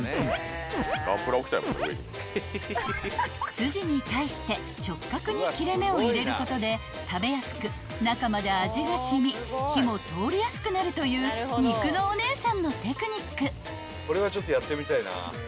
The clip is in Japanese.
［スジに対して直角に切れ目を入れることで食べやすく中まで味が染み火も通りやすくなるという肉のお姉さんのテクニック］